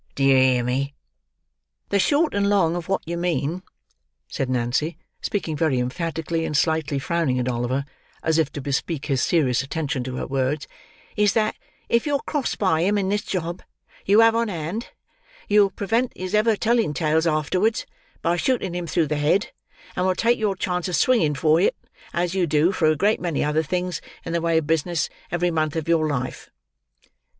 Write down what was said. D'ye hear me?" "The short and the long of what you mean," said Nancy: speaking very emphatically, and slightly frowning at Oliver as if to bespeak his serious attention to her words: "is, that if you're crossed by him in this job you have on hand, you'll prevent his ever telling tales afterwards, by shooting him through the head, and will take your chance of swinging for it, as you do for a great many other things in the way of business, every month of your life."